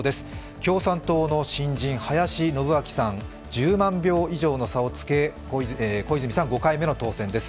共産党の新人・林伸明さん、１０万票以上の差をつけ、小泉さん５回目の当選です。